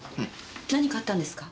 何かあったんですか？